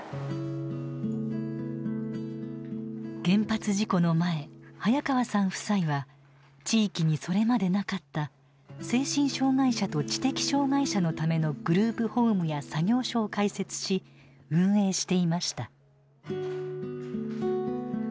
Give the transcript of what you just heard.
原発事故の前早川さん夫妻は地域にそれまでなかった精神障害者と知的障害者のためのグループホームや作業所を開設し運営していました。